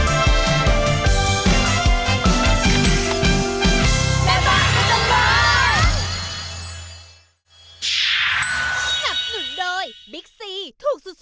ไออฟิศจานกำลังคาค่ะ